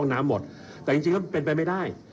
น้ำหมดแต่จริงแล้วเป็นไปไม่ได้